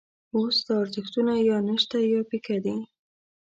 اوس دا ارزښتونه یا نشته یا پیکه دي.